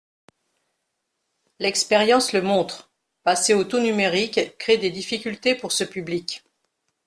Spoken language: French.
L’expérience le montre : passer au tout numérique crée des difficultés pour ce public.